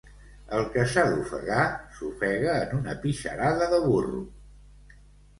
El que s'ha d'ofegar, s'ofega en una pixarada de burro.